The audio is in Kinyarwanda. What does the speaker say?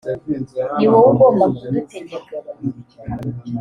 ni wowe ugomba kudutegeka